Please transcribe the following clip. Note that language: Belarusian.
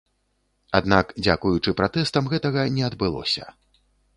Аднак дзякуючы пратэстам гэтага не адбылося.